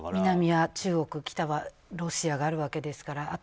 南は中国北はロシアがあるわけですから。